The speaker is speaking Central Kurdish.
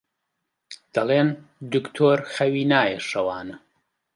دەڵێن دوکتۆر خەوی نایە شەوانە